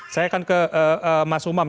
saya akan ke mas umam